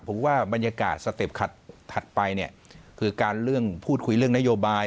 ผมว่าบรรยากาศสเต็ปถัดไปคือการพูดคุยเรื่องนโยบาย